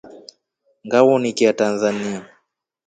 Nga wonikia Tanzania.